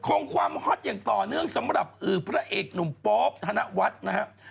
คงความฮอตอย่างต่อเนื่องสำหรับพระเอกหนุ่มโป๊ปธนวัฒน์นะครับ